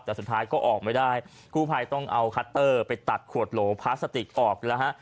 แต่สุดท้ายก็ออกไม่ได้กู้ภัยต้องเอาคัตเตอร์ไปตัดขวดโหลพลาสติกออกแล้วฮะ